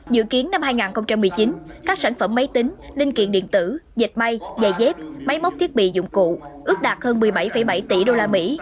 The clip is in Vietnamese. dự kiến năm hai nghìn một mươi chín các sản phẩm máy tính linh kiện điện tử dịch may dài dép máy móc thiết bị dụng cụ ước đạt hơn một mươi bảy bảy tỷ usd